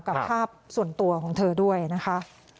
กับภาพส่วนตัวของเธอด้วยนะคะ